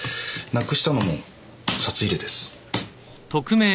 なくしたのも札入れです。